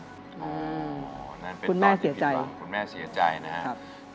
นั่นเป็นตอนผิดหวังคุณแม่เสียใจคุณแม่เสียใจนะครับครับ